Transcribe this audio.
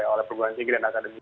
oleh perguruan singkiran atademi